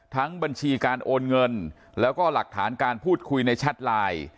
บัญชีการโอนเงินแล้วก็หลักฐานการพูดคุยในแชทไลน์